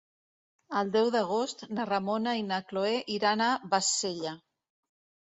El deu d'agost na Ramona i na Cloè iran a Bassella.